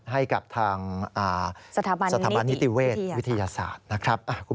ให้กับทางสถาบันนิติเวชวิทยาศาสตร์นะครับ